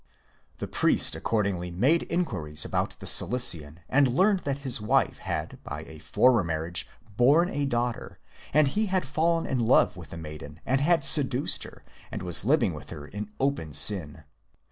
The priest accordingly made _ inquiries about the Cilician and learned that his wife had by a former marriage borne a daughter, and he had fallen in love with the maiden and had seduced her, and was living with her in open sin.